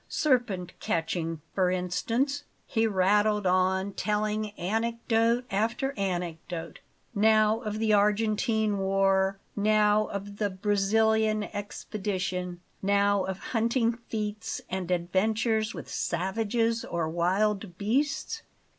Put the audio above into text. Serpent catching, for instance " He rattled on, telling anecdote after anecdote; now of the Argentine war, now of the Brazilian expedition, now of hunting feats and adventures with savages or wild beasts.